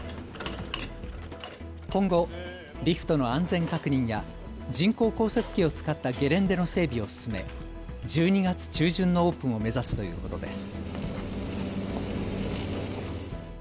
今後、リフトの安全確認や人工降雪機を使ったゲレンデの整備を進め１２月中旬のオープンを目指すということです。